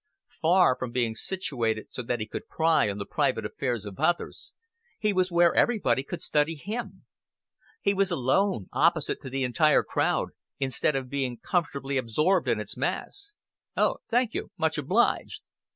Far from being situated so that he could pry on the private affairs of others, he was where everybody could study him. He was alone, opposite to the entire crowd, instead of being comfortably absorbed in its mass. "Oh, thank you. Much obliged."